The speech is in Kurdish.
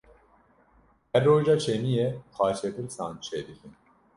Her roja şemiyê xaçepirsan çêdike.